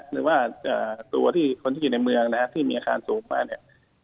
หรือตัวคนอยู่ในเมืองที่มีอาคารสูงมาก